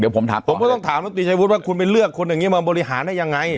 ผมถามผมก็ต้องถามรัฐมนตรีชัยวุฒิว่าคุณไปเลือกคนอย่างนี้มาบริหารได้ยังไง